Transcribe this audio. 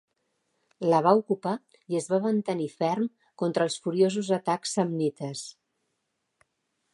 La va ocupar i es va mantenir ferm contra els furiosos atacs samnites.